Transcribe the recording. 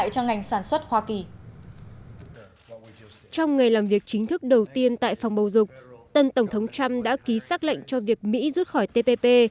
trong ngày làm việc chính thức đầu tiên tại phòng bầu dục tân tổng thống trump đã ký xác lệnh cho việc mỹ rút khỏi tpp